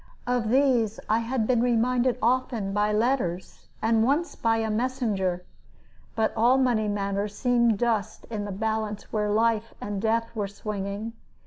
Of these I had been reminded often by letters, and once by a messenger; but all money matters seemed dust in the balance where life and death were swinging.